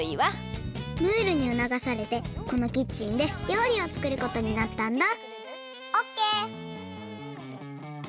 ムールにうながされてこのキッチンでりょうりをつくることになったんだオッケー！